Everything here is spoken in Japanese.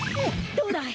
どうだい？